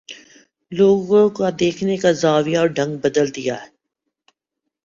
لوگوں کا دیکھنے کا زاویہ اور ڈھنگ بدل رہا ہے